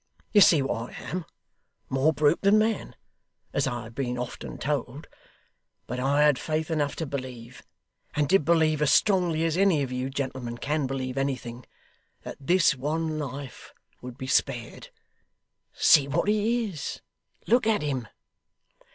You see what I am more brute than man, as I have been often told but I had faith enough to believe, and did believe as strongly as any of you gentlemen can believe anything, that this one life would be spared. See what he is! Look at him!